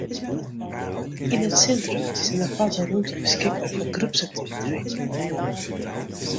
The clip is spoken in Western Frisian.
Yn it sintrum is in aparte rûmte beskikber foar groepsaktiviteiten.